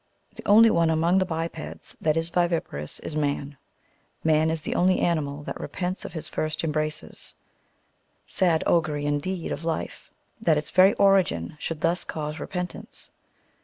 The only one among the bipeds that is viviparous is man. Man is the only animal that repents of his first embraces ; sad augurj^, indeed, of life, that its very origin should thus cause repentance